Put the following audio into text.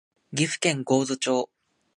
岐阜県神戸町